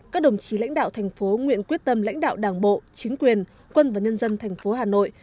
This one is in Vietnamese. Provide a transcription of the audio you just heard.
các đồng chí lãnh đạo thành phố nguyện quyết tâm lãnh đạo đảng bộ chính quyền quân và nhân dân thành phố hà nội